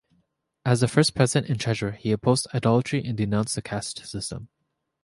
As the first president and treasurer, he opposed idolatry and denounced the caste system.